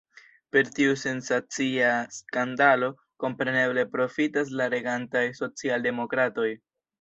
Per tiu sensacia skandalo kompreneble profitas la regantaj socialdemokratoj.